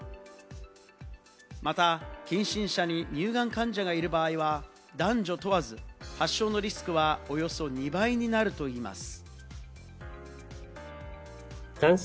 また、近親者に乳がん患者がいる場合は、男女問わず発症のリスクはおよそ２倍になるといいます。